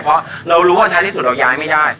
เพราะเรารู้ว่าท้ายที่สุดเราย้ายไม่ได้